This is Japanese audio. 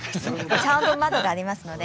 ちゃんと窓がありますので。